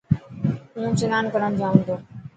هون سنان ڪرڻ جائون تو.